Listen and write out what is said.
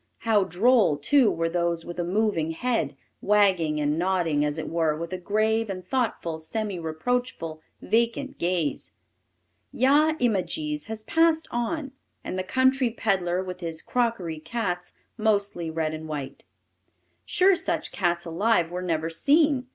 How droll, too, were those with a moving head, wagging and nodding, as it were, with a grave and thoughtful, semi reproachful, vacant gaze! "Yah im a gees" has passed on, and the country pedlar, with his "crockery" cats, mostly red and white. "Sure such cats alive were never seen?"